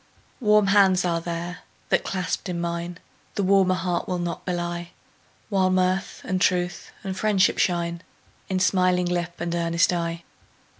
Warm hands are there, that, clasped in mine, The warmer heart will not belie; While mirth, and truth, and friendship shine In smiling lip and earnest eye.